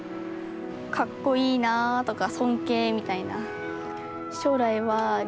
格好いいなとか尊敬みたいな。